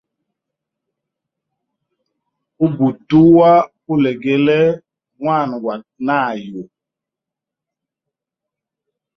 Ubutulwa ulegele mwana gwa nayu.